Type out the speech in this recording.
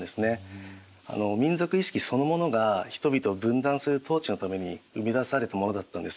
民族意識そのものが人々を分断する統治のために生み出されたものだったんです。